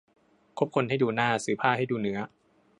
คบคนให้ดูหน้า ซื้อผ้าให้ดูเนื้อ